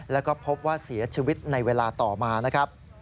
แล้วก็พบว่าเสียชีวิตในเวลาต่อมานะครับ